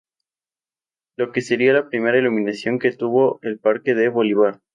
Lo que sería la primera iluminación que tuvo el Parque de Bolívar.